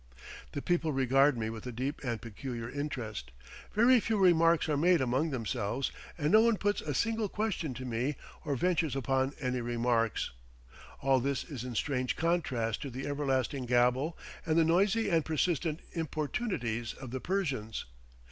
The people regard me with a deep and peculiar interest; very few remarks are made among themselves, and no one puts a single question to me or ventures upon any remarks. All this is in strange contrast to the everlasting gabble and the noisy and persistent importunities of the Persians.